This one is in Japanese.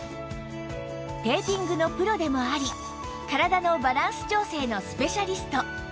テーピングのプロでもあり体のバランス調整のスペシャリスト